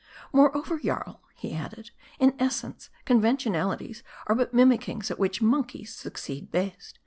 " Moreover, Jarl," he added, "in essence, conventionalities are but mimick M A R D I. 287 ings, at which monkeys succeed best.